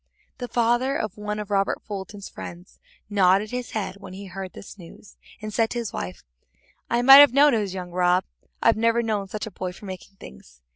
The father of one of Robert's friends nodded his head when he heard this news, and said to his wife: "I might have known it was young Rob; I've never known such a boy for making things.